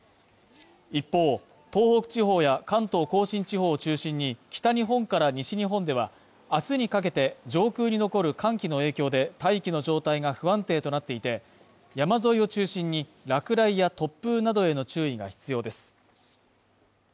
一方、東北地方や関東甲信地方を中心に北日本から西日本ではあすにかけて、上空に残る寒気の影響で大気の状態が不安定となっていて、山沿いを中心に落雷や突風などへの注意が必要です。